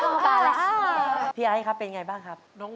ถูกเขาทำร้ายเพราะใจเธอแบกรับมันเอง